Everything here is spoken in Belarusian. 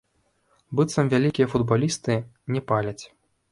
Быццам вялікія футбалісты не паляць.